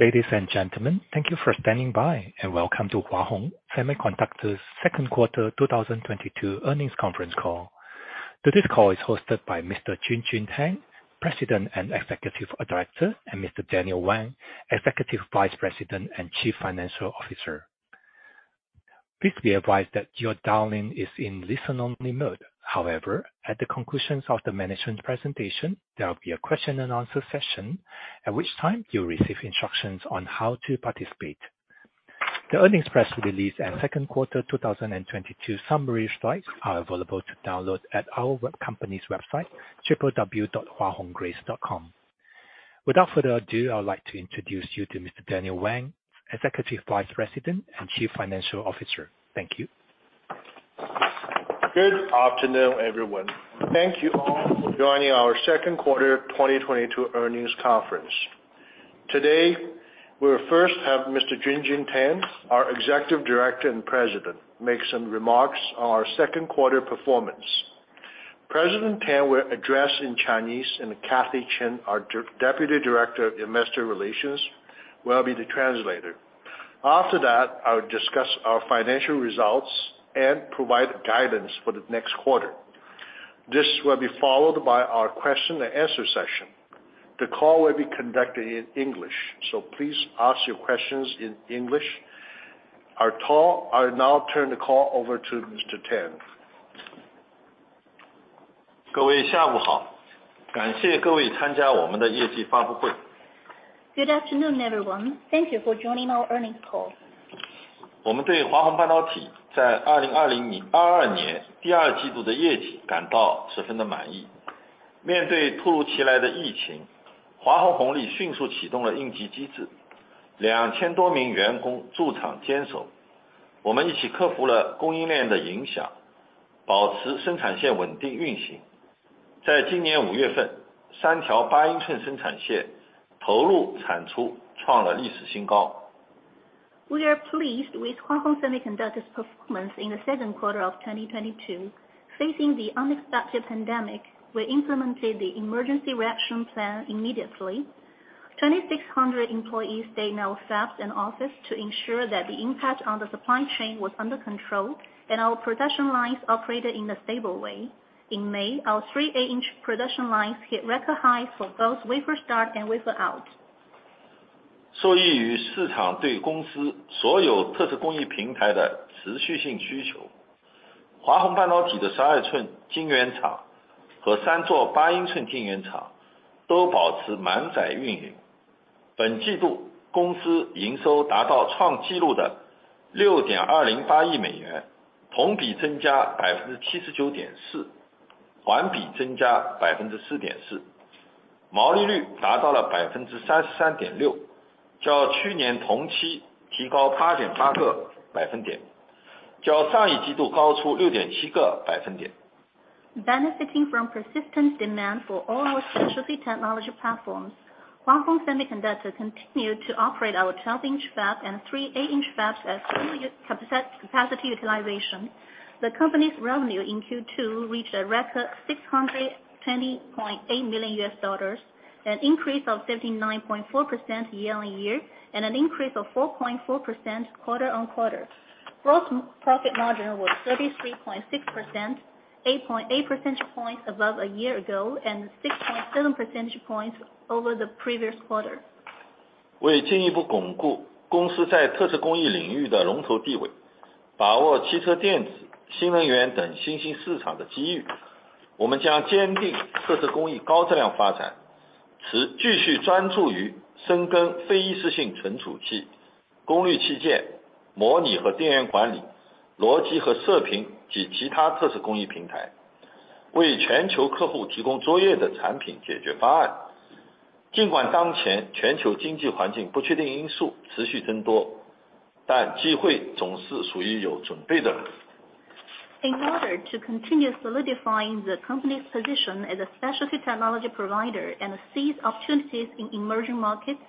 Ladies and gentlemen, thank you for standing by, and welcome to Hua Hong Semiconductor's second quarter 2022 earnings conference call. Today's call is hosted by Mr. Junjun Tang, President and Executive Director, and Mr. Daniel Wang, Executive Vice President and Chief Financial Officer. Please be advised that your lines are in listen-only mode. However, at the conclusion of the management presentation, there will be a question-and-answer session, at which time you'll receive instructions on how to participate. The earnings press release and second quarter 2022 summary slides are available to download at our company's website, huahonggrace.com. Without further ado, I would like to introduce you to Mr. Daniel Wang, Executive Vice President and Chief Financial Officer. Thank you. Good afternoon, everyone. Thank you all for joining our second quarter 2022 earnings conference. Today, we'll first have Mr. Junjun Tang, our Executive Director and President, make some remarks on our second quarter performance. President Tang will address in Chinese, and Kathy Chien, our Deputy Director of Investor Relations, will be the translator. After that, I will discuss our financial results and provide guidance for the next quarter. This will be followed by our question-and-answer session. The call will be conducted in English, so please ask your questions in English. I'll now turn the call over to Mr. Tang. Good afternoon, everyone. Thank you for joining our earnings call. We are pleased with Hua Hong Semiconductor's performance in the second quarter of 2022. Facing the unexpected pandemic situation, we implemented the emergency reaction plan immediately. 2,600 employees stayed in our fabs and offices to ensure that the impact on the supply chain was under control, and our production lines operated stably. In May, our three 8-inch production lines hit record highs for both wafer start and wafer out. Benefiting from persistent demand for all our specialty technology platforms, Hua Hong Semiconductor continued to operate our 12-inch fab and three 8-inch fabs at full capacity utilization. The company's revenue in Q2 reached a record $620.8 million, an increase of 79.4% year-on-year, and an increase of 4.4% quarter-on-quarter. Gross profit margin was 33.6%, 8.8 percentage points above a year ago, and 6.7 percentage points over the previous quarter. In order to continue solidifying the company's position as a specialty technology provider and seize opportunities in emerging markets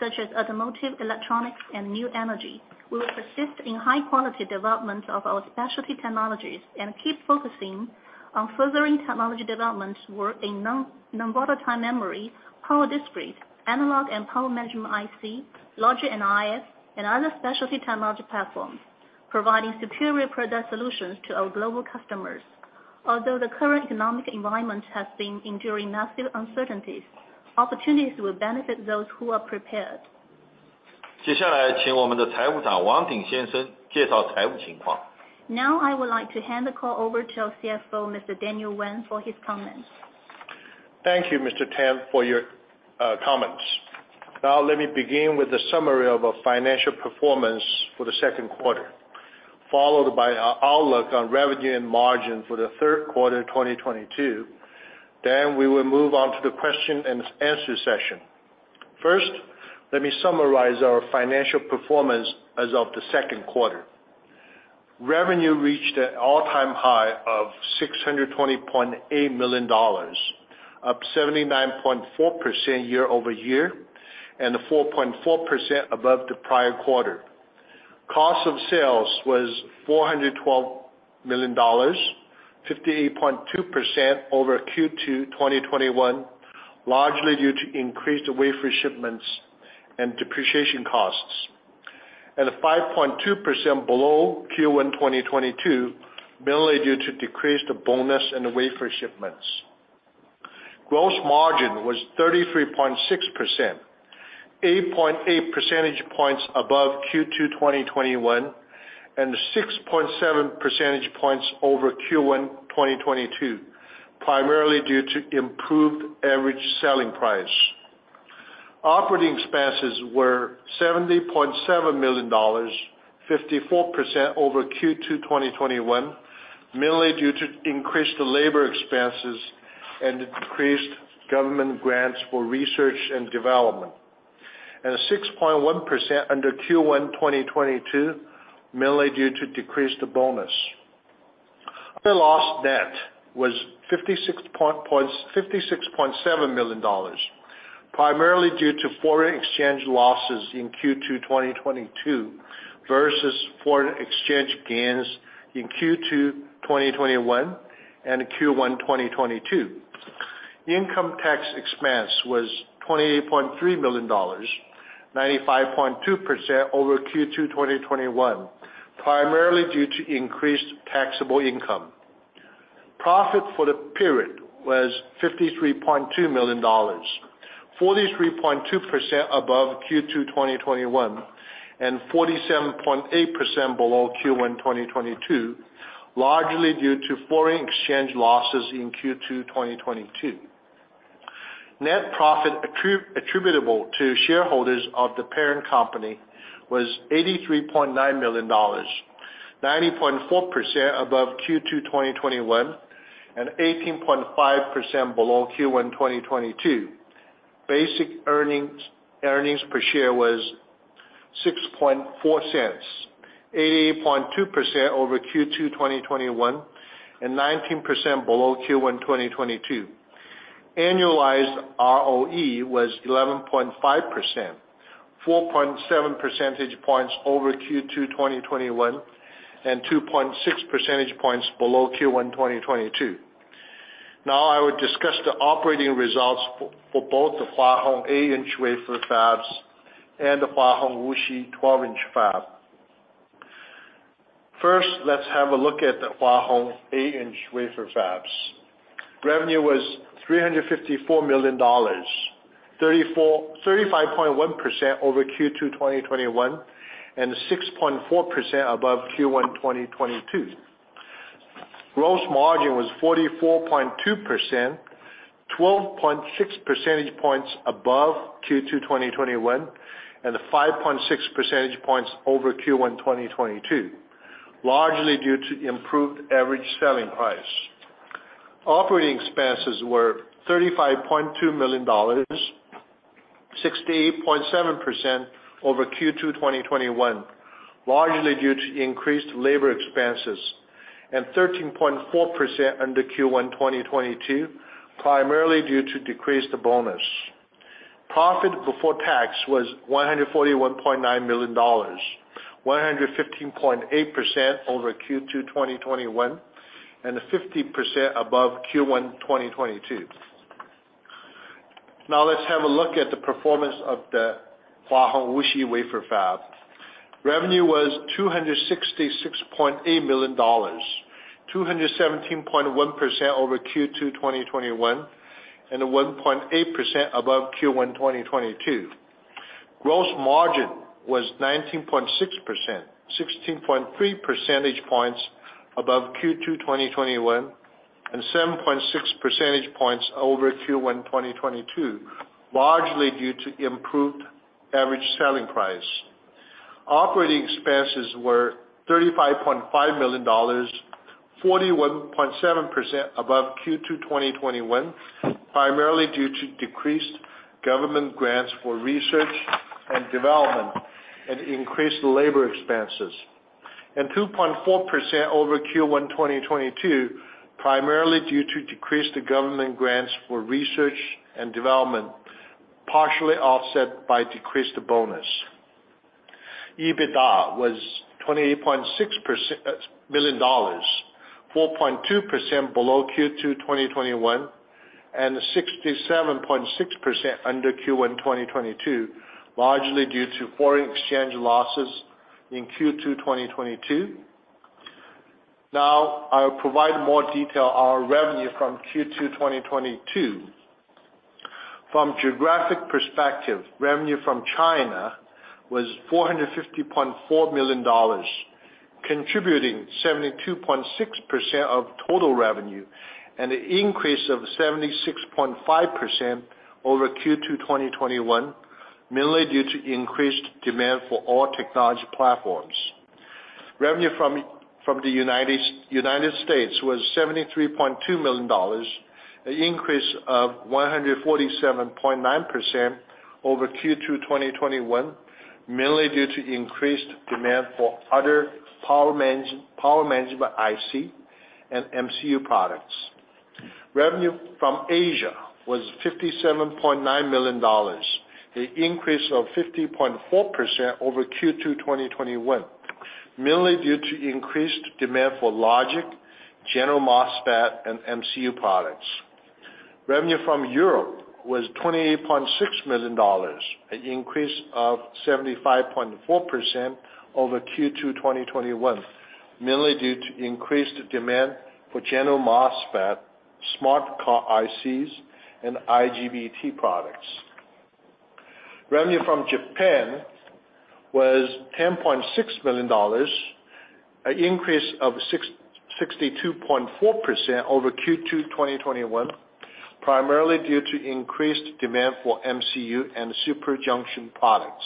such as automotive, electronics, and new energy, we will persist in high quality development of our specialty technologies and keep focusing on furthering technology development work in non-volatile memory, power discrete, analog and power management IC, logic and RF, and other specialty technology platforms, providing superior product solutions to our global customers. Although the current economic environment has been enduring massive uncertainties, opportunities will benefit those who are prepared. Now, I would like to hand the call over to our CFO, Mr. Daniel Wang, for his comments. Thank you, Mr. Tang, for your comments. Now let me begin with the summary of our financial performance for the second quarter, followed by our outlook on revenue and margin for the third quarter 2022. We will move on to the question-and-answer session. First, let me summarize our financial performance as of the second quarter. Revenue reached an all-time high of $620.8 million, up 79.4% year-over-year, and 4.4% above the prior quarter. Cost of sales was $412 million, 58.2% over Q2 2021, largely due to increased wafer shipments and depreciation costs, and 5.2% below Q1 2022, mainly due to decreased bonus and wafer shipments. Gross margin was 33.6%, 8.8 percentage points above Q2 2021, and 6.7 percentage points over Q1 2022, primarily due to improved average selling price. Operating expenses were $70.7 million, 54% over Q2 2021, mainly due to increased labor expenses and increased government grants for research and development, and 6.1% under Q1 2022, mainly due to decreased bonus. Net loss was $56.7 million, primarily due to foreign exchange losses in Q2 2022 versus foreign exchange gains in Q2 2021 and Q1 2022. Income tax expense was $28.3 million, 95.2% over Q2 2021, primarily due to increased taxable income. Profit for the period was $53.2 million, 43.2% above Q2 2021, and 47.8% below Q1 2022, largely due to foreign exchange losses in Q2 2022. Net profit attributable to shareholders of the parent company was $83.9 million, 90.4% above Q2 2021, and 18.5% below Q1 2022. Basic earnings per share was $0.064, 88.2% over Q2 2021, and 19% below Q1 2022. Annualized ROE was 11.5%, 4.7 percentage points over Q2 2021, and 2.6 percentage points below Q1 2022. Now I will discuss the operating results for both the Hua Hong 8-inch wafer fabs and the Hua Hong Wuxi 12-inch fab. First, let's have a look at the Hua Hong 8-inch wafer fabs. Revenue was $354 million, 35.1% over Q2 2021, and 6.4% above Q1 2022. Gross margin was 44.2%, 12.6 percentage points above Q2 2021, and 5.6 percentage points over Q1 2022, largely due to improved average selling price. Operating expenses were $35.2 million, 68.7% over Q2 2021, largely due to increased labor expenses, and 13.4% under Q1 2022, primarily due to decreased bonus. Profit before tax was $141.9 million, 115.8% over Q2 2021, and 50% above Q1 2022. Now let's have a look at the performance of the Hua Hong Wuxi wafer fab. Revenue was $266.8 million, 217.1% over Q2 2021, and 1.8% above Q1 2022. Gross margin was 19.6%, 16.3 percentage points above Q2 2021, and 7.6 percentage points over Q1 2022, largely due to improved average selling price. Operating expenses were $35.5 million, 41.7% above Q2 2021, primarily due to decreased government grants for research and development and increased labor expenses, and 2.4% over Q1 2022, primarily due to decreased government grants for research and development, partially offset by decreased bonus. EBITDA was $28.6 million, 4.2% below Q2 2021, and 67.6% under Q1 2022, largely due to foreign exchange losses in Q2 2022. Now I'll provide more detail on revenue from Q2 2022. From geographic perspective, revenue from China was $450.4 million, contributing 72.6% of total revenue, and an increase of 76.5% over Q2 2021, mainly due to increased demand for all technology platforms. Revenue from the United States was $73.2 million, an increase of 147.9% over Q2 2021, mainly due to increased demand for other power management IC and MCU products. Revenue from Asia was $57.9 million, an increase of 50.4% over Q2 2021, mainly due to increased demand for logic, general MOSFET, and MCU products. Revenue from Europe was $28.6 million, an increase of 75.4% over Q2 2021, mainly due to increased demand for general MOSFET, Smart Card ICs, and IGBT products. Revenue from Japan was $10.6 million, an increase of 62.4% over Q2 2021, primarily due to increased demand for MCU and Super Junction products.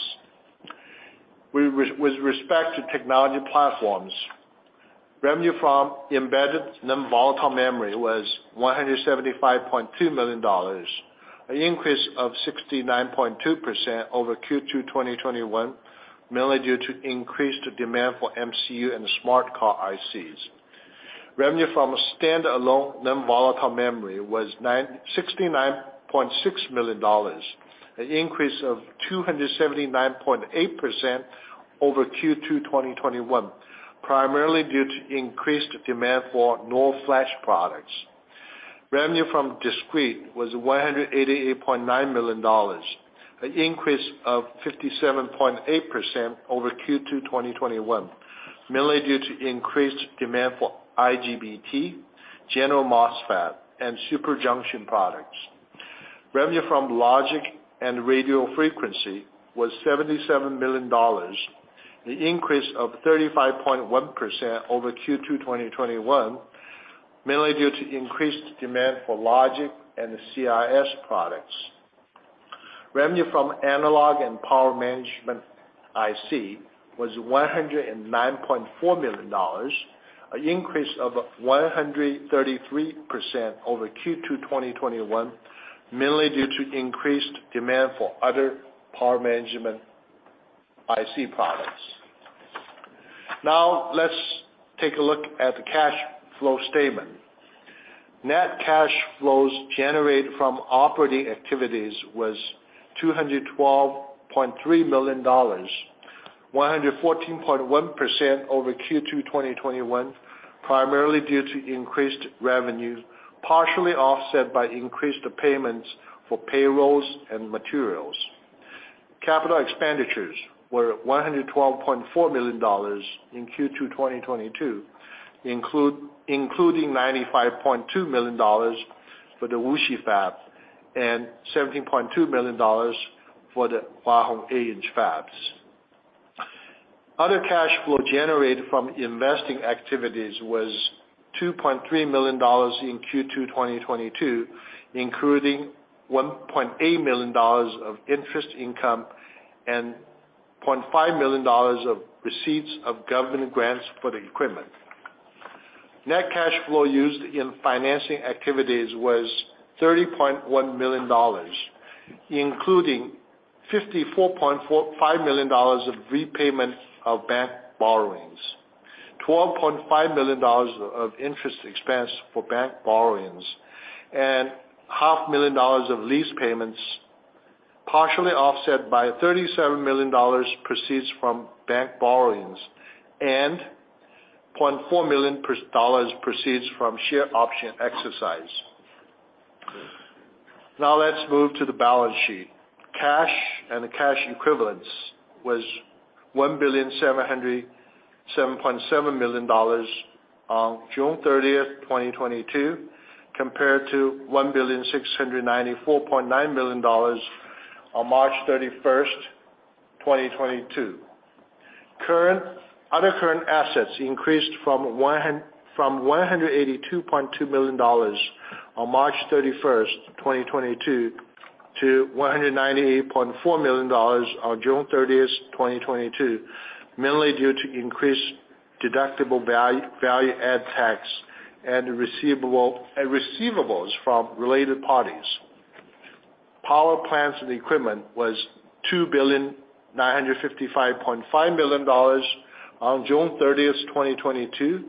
With respect to technology platforms, revenue from embedded non-volatile memory was $175.2 million, an increase of 69.2% over Q2 2021, mainly due to increased demand for MCU and Smart Card ICs. Revenue from standalone non-volatile memory was $69.6 million, an increase of 279.8% over Q2 2021, primarily due to increased demand for NOR flash products. Revenue from discrete was $188.9 million, an increase of 57.8% over Q2 2021, mainly due to increased demand for IGBT, general MOSFET, and Super Junction products. Revenue from logic and radio frequency was $77 million, an increase of 35.1% over Q2 2021, mainly due to increased demand for logic and CIS products. Revenue from analog and power management IC was $109.4 million, an increase of 133% over Q2 2021, mainly due to increased demand for other power management IC products. Now, let's take a look at the cash flow statement. Net cash flows generated from operating activities was $212.3 million, 114.1% over Q2 2021, primarily due to increased revenue, partially offset by increased payments for payrolls and materials. Capital expenditures were $112.4 million in Q2 2022, including $95.2 million for the Wuxi fab and $17.2 million for the Hua Hong eight-inch fabs. Other cash flow generated from investing activities was $2.3 million in Q2 2022, including $1.8 million of interest income and $0.5 million of receipts of government grants for the equipment. Net cash flow used in financing activities was $30.1 million, including $54.5 million of repayment of bank borrowings, $12.5 million of interest expense for bank borrowings, and $0.5 million of lease payments, partially offset by $37 million proceeds from bank borrowings and $0.4 million proceeds from share option exercise. Now, let's move to the balance sheet. Cash and cash equivalents were $1,707.7 million on June 30, 2022, compared to $1,694.9 million on March 31, 2022. Other current assets increased from $182.2 million on March 31, 2022, to $198.4 million on June 30, 2022, mainly due to increased deductible value-added tax and receivables from related parties. Property, plant and equipment was $2,955.5 million on June 30, 2022,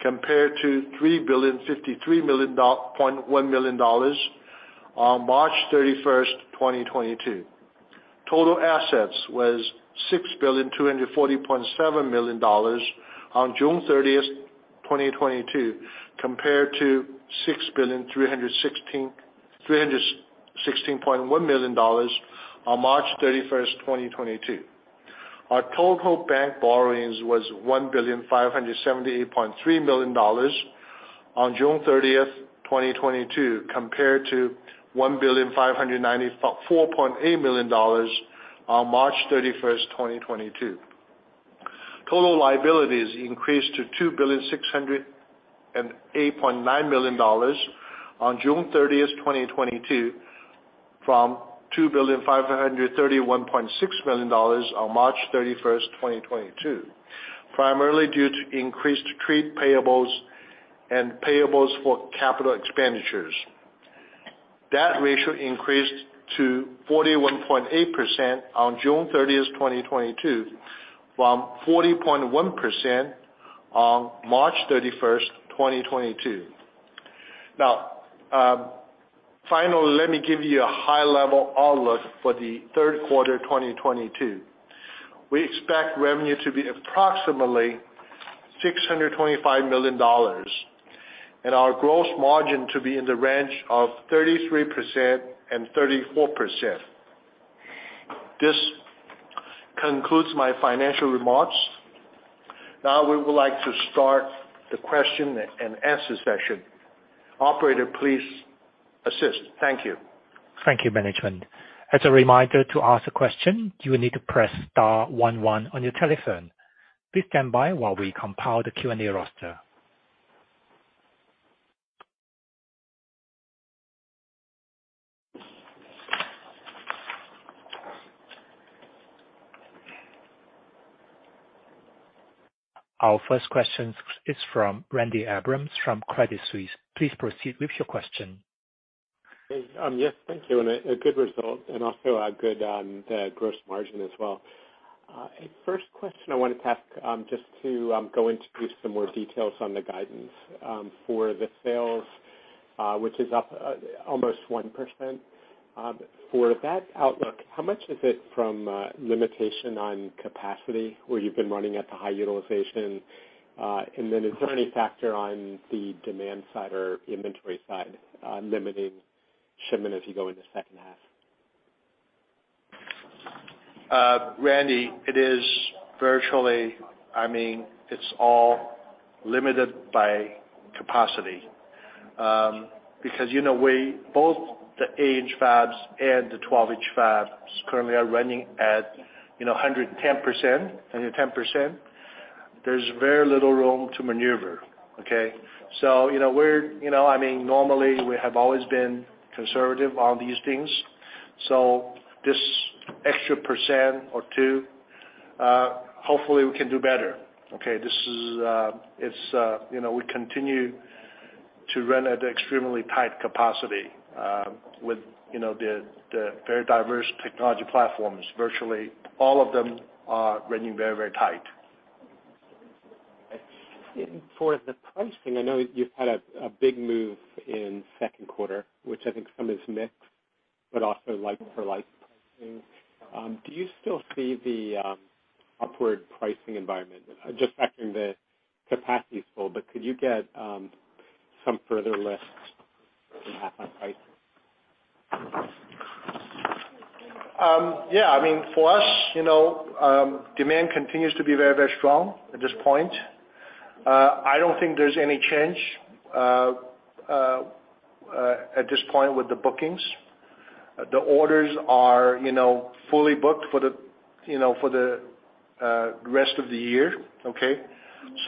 compared to $3,053.1 million on March 31, 2022. Total assets was $6,240.7 million on June 30, 2022, compared to $6,316.1 million on March 31, 2022. our total bank borrowings were $1,578.3 million on June 30, 2022, compared to $1,594.8 million on March 31, 2022. Total liabilities increased to $2,608.9 million on June 30, 2022, from $2,531.6 million on March 31, 2022, primarily due to increased trade payables and payables for capital expenditures. That ratio increased to 41.8% on June 30, 2022, from 40.1% on March 31, 2022. Now, finally, let me give you a high level outlook for the third quarter 2022. We expect revenue to be approximately $625 million, and our gross margin to be in the range of 33%-34%. This concludes my financial remarks. Now we would like to start the question-and-answer session. Operator, please assist. Thank you. Thank you, management. As a reminder, to ask a question, you will need to press star one one on your telephone. Please stand by while we compile the Q&A roster. Our first question is from Randy Abrams from Credit Suisse. Please proceed with your question. Yes, thank you. A good result and also a good gross margin as well. First question I wanted to ask, just to go into some more details on the guidance for the sales, which is up almost 1%. For that outlook, how much is it from limitation on capacity where you've been running at the high utilization? And then is there any factor on the demand side or inventory side limiting shipment as you go into second half? Randy, it is virtually, I mean, it's all limited by capacity. Because, you know, we both the 8-inch fabs and the 12-inch fabs currently are running at, you know, 110%. There's very little room to maneuver, okay? You know, we're, you know, I mean, normally, we have always been conservative on these things. This extra percent or two, hopefully we can do better, okay. It's, you know, we continue to run at extremely tight capacity, with, you know, the very diverse technology platforms. Virtually all of them are running very tight. For the pricing, I know you've had a big move in second quarter, which I think some is mix, but also like for like pricing. Do you still see the upward pricing environment just factoring the capacity is full, but could you get some further lift in half on pricing? Yeah. I mean, for us, you know, demand continues to be very, very strong at this point. I don't think there's any change at this point with the bookings. The orders are, you know, fully booked for the, you know, for the rest of the year, okay?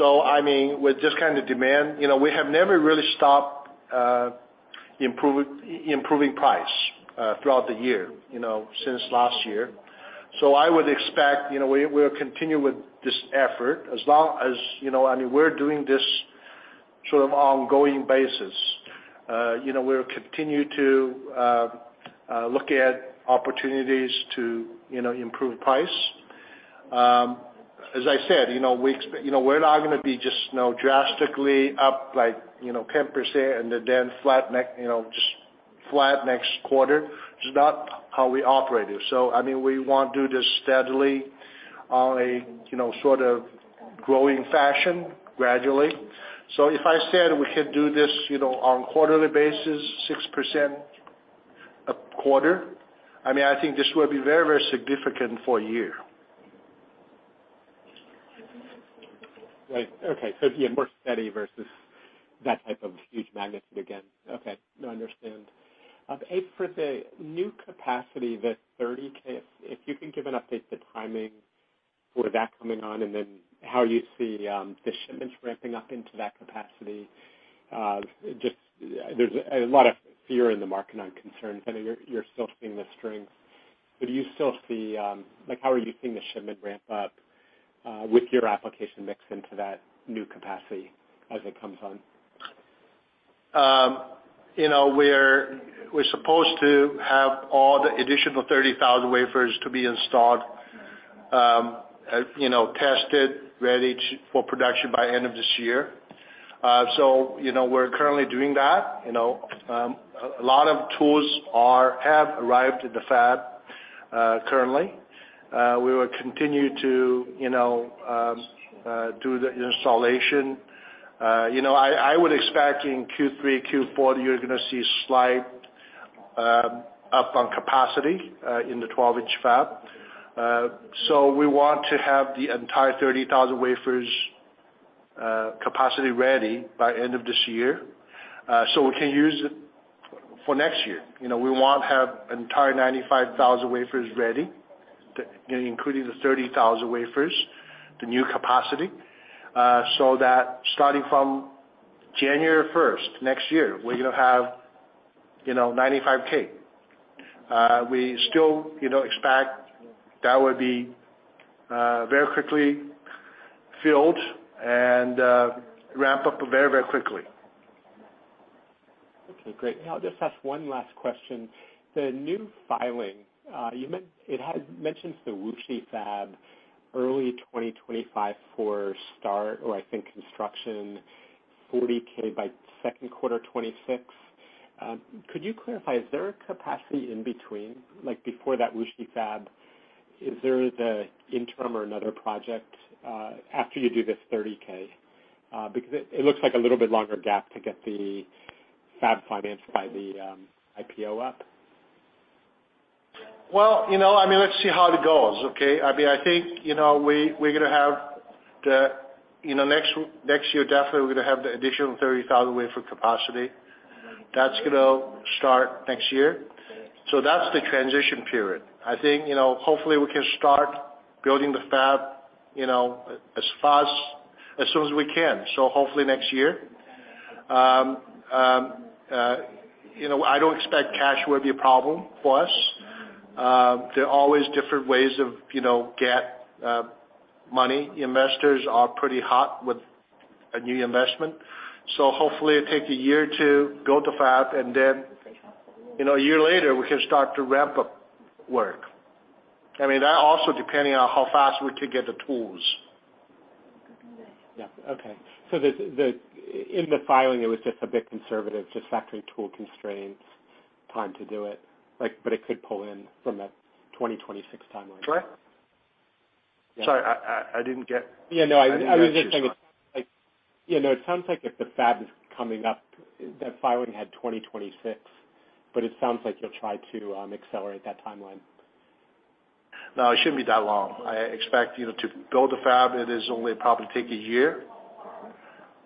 I mean, with this kind of demand, you know, we have never really stopped improving price throughout the year, you know, since last year. I would expect, you know, we'll continue with this effort as long as, you know, I mean, we're doing this sort of ongoing basis. You know, we'll continue to look at opportunities to, you know, improve price. As I said, you know, we're not gonna be just, you know, drastically up like, you know, 10% and then flat next, you know, just flat next quarter. It's not how we operate it. I mean, we want to do this steadily on a, you know, sort of growing fashion gradually. If I said we could do this, you know, on quarterly basis, 6% a quarter, I mean, I think this will be very, very significant for a year. Right. Okay. Yeah, more steady versus that type of huge magnitude again. Okay. No, I understand. For the new capacity, the 30K, if you can give an update, the timing for that coming on, and then how you see the shipments ramping up into that capacity. Just, there's a lot of fear in the market over concerns. I know you're still seeing the strength, but do you still see like how are you seeing the shipment ramp up with your application mix into that new capacity as it comes on? You know, we're supposed to have all the additional 30,000 wafers to be installed, tested, ready for production by end of this year. You know, we're currently doing that. You know, a lot of tools have arrived at the fab currently. We will continue to, you know, do the installation. You know, I would expect in Q3, Q4, you're gonna see slight up on capacity in the twelve-inch fab. We want to have the entire 30,000 wafers capacity ready by end of this year, so we can use it for next year. You know, we want to have entire 95,000 wafers ready, including the 30,000 wafers, the new capacity, so that starting from January first next year, we're gonna have, you know, 95K. We still, you know, expect that would be very quickly filled and ramp up very, very quickly. Okay, great. I'll just ask one last question. The new filing, you mentioned it had mentioned the Wuxi fab early 2025 for start or I think construction 40K by second quarter 2026. Could you clarify, is there a capacity in between? Like, before that Wuxi fab, is there the interim or another project after you do this 30K, because it looks like a little bit longer gap to get the fab financed by the IPO up. Well, you know, I mean, let's see how it goes, okay? I mean, I think, you know, we're gonna have the, you know, next year definitely we're gonna have the additional 30,000 wafer capacity. That's gonna start next year. That's the transition period. I think, you know, hopefully we can start building the fab, you know, as soon as we can, so hopefully next year. You know, I don't expect cash will be a problem for us. There are always different ways of, you know, getting money. Investors are pretty hot with a new investment, so hopefully it take a year or two build the fab and then, you know, a year later we can start to ramp up work. I mean, that also depending on how fast we could get the tools. Yeah. Okay. In the filing it was just a bit conservative, just factoring tool constraints, time to do it. Like, but it could pull in from that 2026 timeline. Sorry? Yeah. Sorry, I didn't get. Yeah, no, I'm just saying it. I didn't hear too well. Like, you know, it sounds like if the fab is coming up, that filing had 2026, but it sounds like you'll try to accelerate that timeline. No, it shouldn't be that long. I expect, you know, to build the fab it is only probably take a year.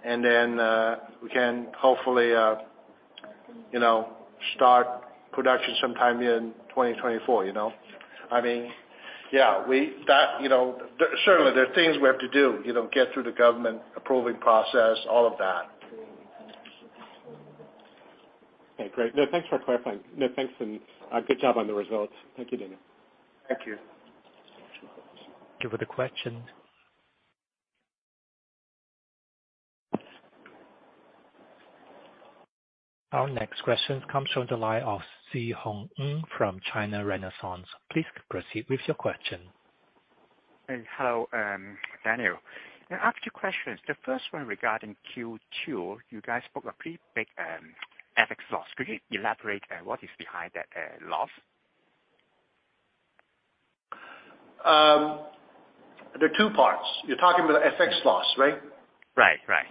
Okay. We can hopefully, you know, start production sometime in 2024, you know. I mean, yeah, that, you know, certainly there are things we have to do, you know, get through the government approving process, all of that. Okay, great. No, thanks for clarifying. No, thanks, and good job on the results. Thank you, Daniel. Thank you. Give the question. Our next question comes from the line of Zhihong Ng from China Renaissance. Please proceed with your question. Hello, Daniel. I have two questions. The first one regarding Q2. You guys spoke a pretty big FX loss. Could you elaborate what is behind that loss? There are two parts. You're talking about FX loss, right? Right. Right.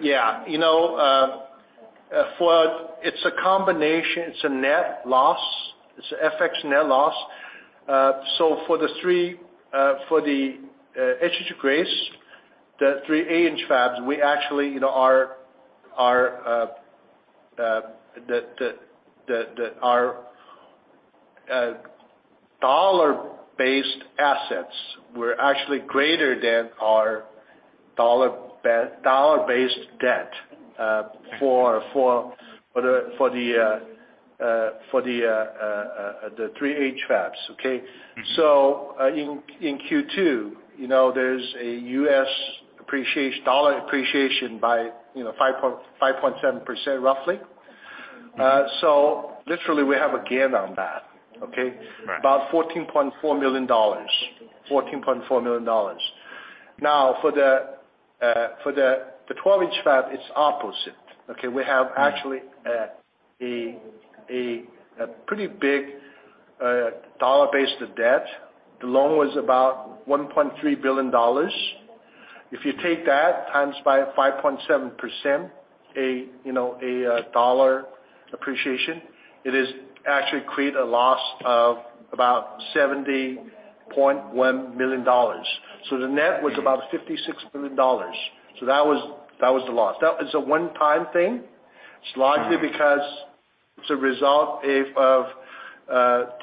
Yeah. You know, it's a combination. It's a net loss. It's a FX net loss. For Hua Hong Grace, the three eight-inch fabs, we actually, you know, our dollar-based assets were actually greater than our dollar-based debt for the three H fabs. Okay? Mm-hmm. In Q2, you know, there's a USD appreciation, dollar appreciation by, you know, 5.7% roughly. Literally we have a gain on that. Okay? Right. About $14.4 million. Now, for the twelve-inch fab, it's opposite. Okay? We have actually a pretty big dollar base of debt. The loan was about $1.3 billion. If you take that times by 5.7%, you know, dollar appreciation, it is actually create a loss of about $70.1 million. So the net was about $56 million. So that was the loss. That was a one-time thing. It's largely because it's a result of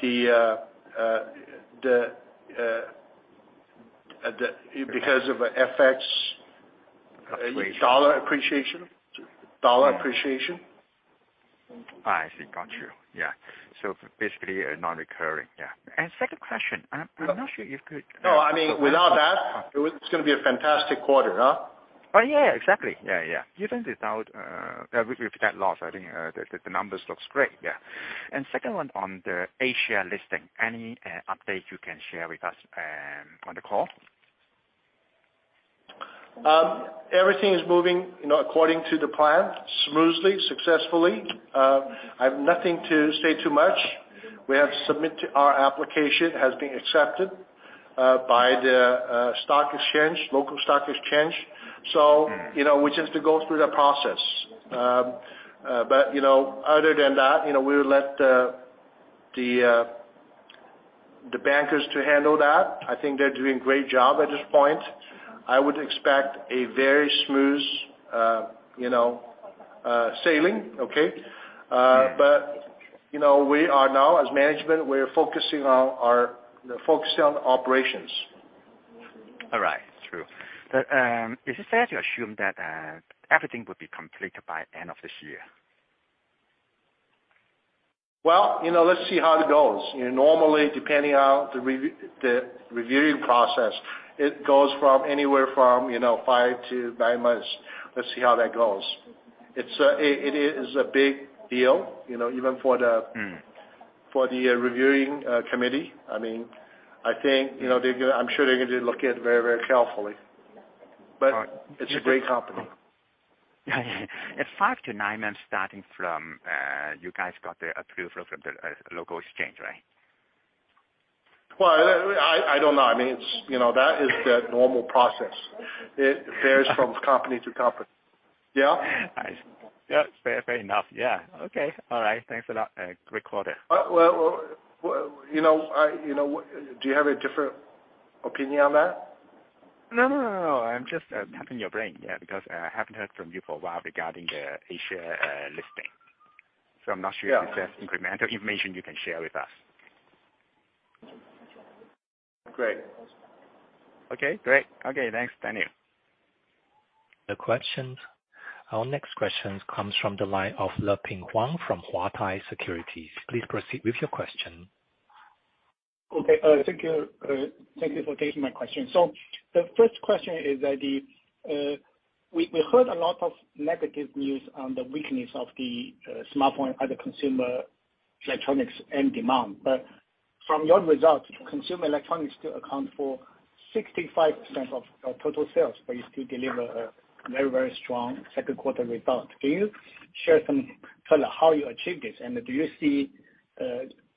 the FX- Appreciation. Dollar appreciation. I see. Got you. Yeah. Basically a non-recurring. Yeah. Second question. I'm not sure if you could- No, I mean, without that it was gonna be a fantastic quarter, huh? Oh, yeah. Exactly. Yeah. Even with that loss, I think the numbers looks great. Yeah. Second one on the A-share listing. Any update you can share with us on the call? Everything is moving, you know, according to the plan, smoothly, successfully. I have nothing to say too much. We have submitted. Our application has been accepted by the local stock exchange. You know, we just have to go through the process. Other than that, you know, we would let the bankers to handle that. I think they're doing great job at this point. I would expect a very smooth, you know, sailing. Okay? Yeah. You know, we are now, as management, focusing on our operations. All right. True. Is it fair to assume that everything will be completed by end of this year? Well, you know, let's see how it goes. You know, normally depending on the reviewing process, it goes from anywhere from, you know, 5-9 months. Let's see how that goes. It's, it is a big deal, you know, even for the. Mm. For the reviewing committee. I mean, I think, you know, I'm sure they're going to look at it very, very carefully. All right. It's a great company. It's 5-9 months starting from you guys got the approval from the local exchange, right? Well, I don't know. I mean, it's, you know, that is the normal process. It varies from company to company. Yeah. I see. Yeah. Fair enough. Yeah. Okay. All right. Thanks a lot. Great quarter. Well, you know, I, you know what, do you have a different opinion on that? No, I'm just tapping your brain. Yeah, because I haven't heard from you for a while regarding the Asian listing. I'm not sure. Yeah. If there's incremental information you can share with us? Great. Okay. Great. Okay. Thanks, Daniel. The questions. Our next question comes from the line of Leping Huang from Huatai Securities. Please proceed with your question. Okay. Thank you. Thank you for taking my question. The first question is that we heard a lot of negative news on the weakness of the smartphone, other consumer electronics end demand. From your results, consumer electronics still account for 65% of your total sales, but you still deliver a very, very strong second quarter result. Can you share some color how you achieve this? And do you see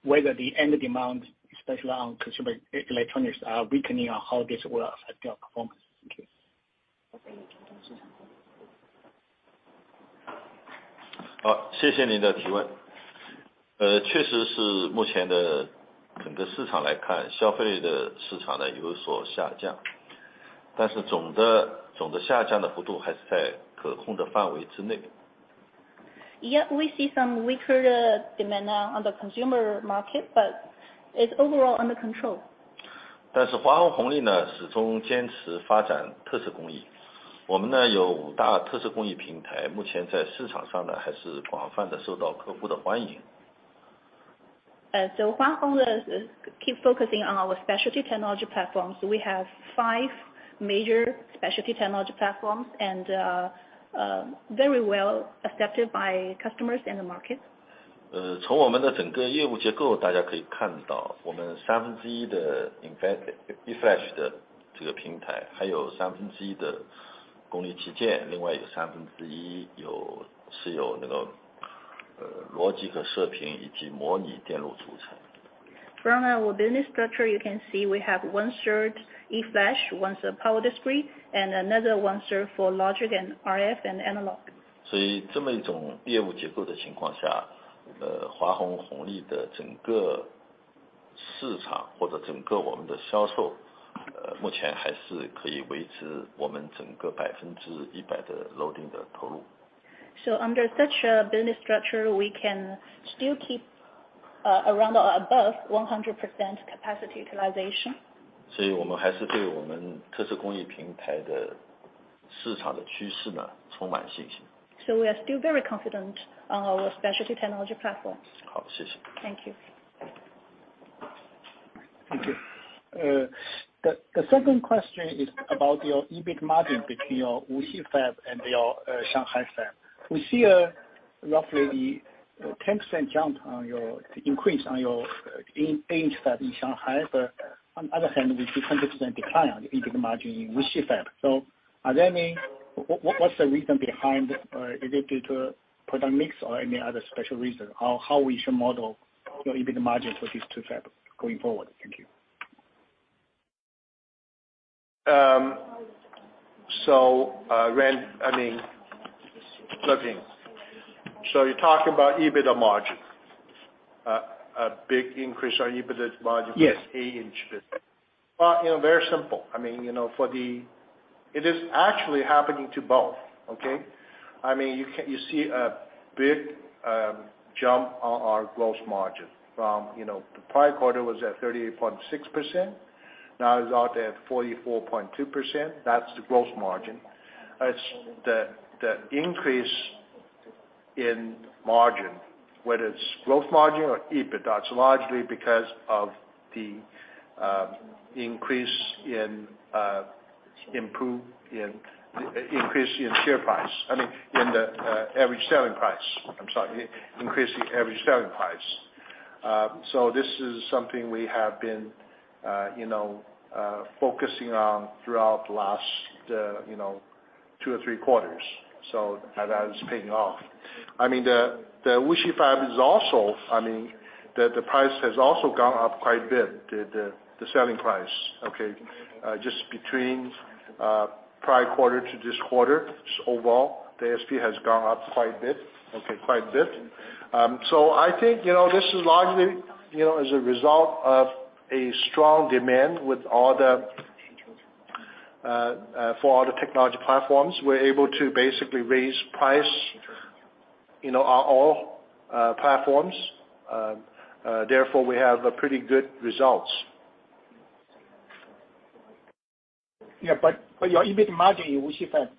whether the end demand, especially on consumer electronics, are weakening or how this will affect your performance? Thank you. Hua Hong is keeping focusing on our specialty technology platforms. We have five major specialty technology platforms and very well accepted by customers in the market. From our business structure, you can see we have 1/3 eFlash, one is a power discrete, and another 1/3 for logic and RF and analog. Under such a business structure, we can still keep around or above 100% capacity utilization. We are still very confident on our specialty technology platforms. Thank you. The second question is about your EBIT margin between your Wuxi fab and your Shanghai fab. We see a roughly 10% jump in your 8-inch fab in Shanghai. On the other hand, we see 100% decline in the EBIT margin in Wuxi fab. What's the reason behind? Is it due to product mix or any other special reason? Or how we should model your EBIT margin for these two fabs going forward? Thank you. Randy, I mean, Leping. You're talking about EBITDA margin. A big increase in EBITDA margin. Yes. 8-inch fab. You know, very simple. I mean, you know, for the. It is actually happening to both. Okay. I mean, you see a big jump on our gross margin from, you know, the prior quarter was at 38.6%, now it's out at 44.2%. That's the gross margin. It's the increase in margin, whether it's gross margin or EBITDA, it's largely because of the increase in average selling price. I mean, in the average selling price. I'm sorry. Increasing average selling price. So this is something we have been, you know, focusing on throughout last, you know, two or three quarters. So that is paying off. I mean, the Wuxi fab is also, I mean, the price has also gone up quite a bit, the selling price. Okay. Just between prior quarter to this quarter overall, the ASP has gone up quite a bit, okay, quite a bit. I think, you know, this is largely, you know, as a result of a strong demand for all the technology platforms, we're able to basically raise prices. You know, all platforms. Therefore, we have pretty good results. Yeah, your EBIT margin, we see that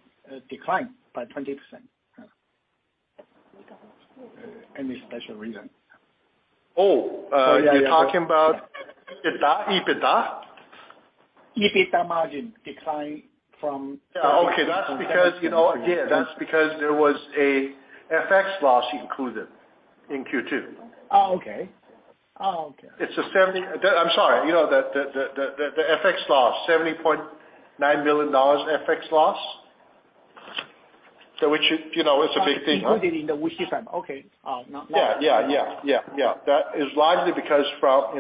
decline by 20%. Any special reason? Oh, you're talking about EBITDA? EBITDA margin decline from Okay. That's because, you know, again, that's because there was a FX loss included in Q2. Oh, okay. Oh, okay. I'm sorry. You know, the FX loss, $70.9 million FX loss, which is, you know, it's a big thing. Included in the Wuxi Fab. Okay. Oh, no wonder. Yeah. That is largely because that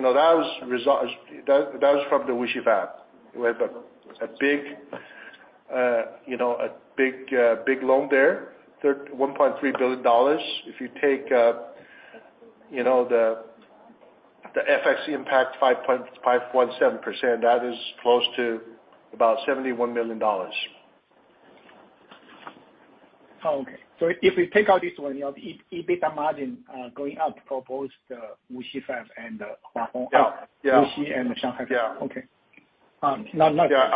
was from the Wuxi Fab. We have a big, you know, loan there, $1.3 billion. If you take, you know, the FX impact, 5.7%, that is close to about $71 million. Oh, okay. If we take out this one, you know, EBITDA margin going up for both the Wuxi Fab and the Shanghai. Yeah. Wuxi and the Shanghai Fab. Yeah. Okay. Not Yeah.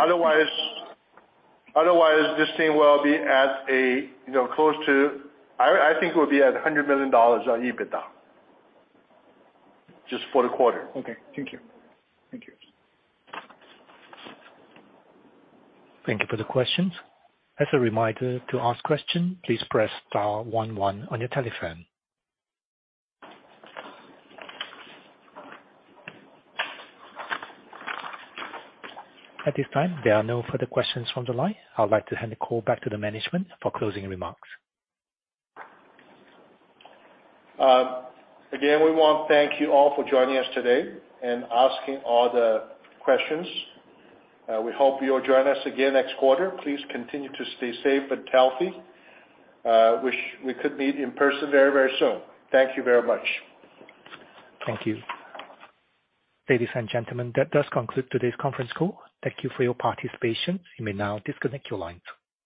Otherwise, this thing will be at a, you know, close to. I think it would be at $100 million on EBITDA. Just for the quarter. Okay. Thank you. Thank you. Thank you for the questions. As a reminder, to ask question, please press star one one on your telephone. At this time, there are no further questions from the line. I would like to hand the call back to the management for closing remarks. Again, we want to thank you all for joining us today and asking all the questions. We hope you'll join us again next quarter. Please continue to stay safe and healthy. Wish we could meet in person very, very soon. Thank you very much. Thank you. Ladies and gentlemen, that does conclude today's conference call. Thank you for your participation. You may now disconnect your lines.